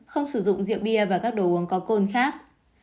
bốn không sử dụng rượu bia và các đồ uống có côn khác